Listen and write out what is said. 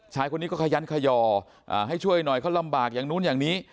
ชายคนนี้ก็ขยันขย่อให้ช่วยหน่อยเขาลำบากอย่างนู้นอย่างนี้